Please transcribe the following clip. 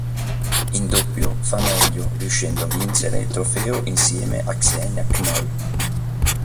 In doppio fa meglio riuscendo a vincere il trofeo insieme a Xenia Knoll.